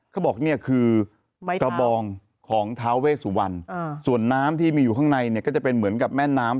เขาบอกเนี่ยคือกระบองของท้าเวสุวรรณส่วนน้ำที่มีอยู่ข้างในเนี่ยก็จะเป็นเหมือนกับแม่น้ำ